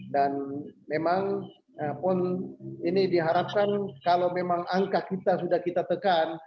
dan memang pon ini diharapkan kalau memang angka kita sudah kita tekan